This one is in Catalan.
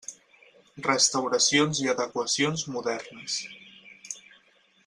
Restauracions i adequacions modernes.